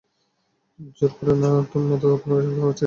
জোর করে না, মত আপনারই হওয়া উচিত।